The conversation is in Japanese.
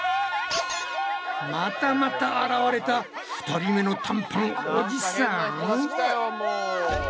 またまた現れた２人目の短パンおじさん！？